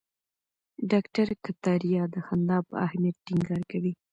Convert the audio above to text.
ډاکټر کتاریا د خندا په اهمیت ټینګار کوي.